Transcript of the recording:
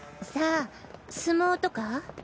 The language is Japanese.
さぁ相撲とか？